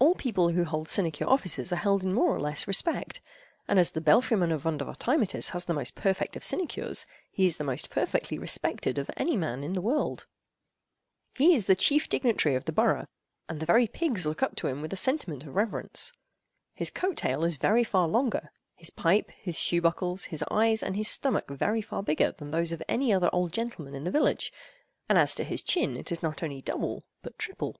All people who hold sinecure offices are held in more or less respect, and as the belfry—man of Vondervotteimittiss has the most perfect of sinecures, he is the most perfectly respected of any man in the world. He is the chief dignitary of the borough, and the very pigs look up to him with a sentiment of reverence. His coat tail is very far longer—his pipe, his shoe buckles, his eyes, and his stomach, very far bigger—than those of any other old gentleman in the village; and as to his chin, it is not only double, but triple.